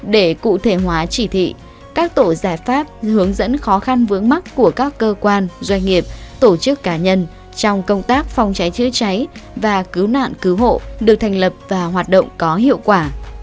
để cụ thể hóa chỉ thị các tổ giải pháp hướng dẫn khó khăn vướng mắt của các cơ quan doanh nghiệp tổ chức cá nhân trong công tác phòng cháy chữa cháy và cứu nạn cứu hộ được thành lập và hoạt động có hiệu quả